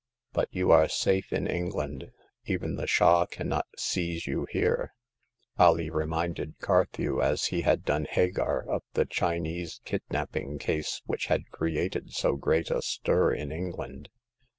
But you are safe in England. Even the Shah cannot seize you here." Alee reminded Carthew, as he had done Hagar, of the Chinese kidnapping case which had created so great a stir in England.